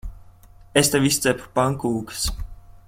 Es tev izcepu pankūkas.